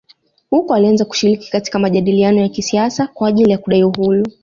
Huko alianza kushiriki katika majadiliano ya kisiasa kwa ajili ya kudai uhuru